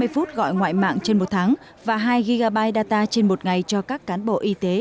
hai mươi phút gọi ngoại mạng trên một tháng và hai gigaby data trên một ngày cho các cán bộ y tế